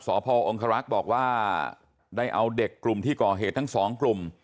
พองครักษ์บอกว่าได้เอาเด็กกลุ่มที่ก่อเหตุทั้งสองกลุ่ม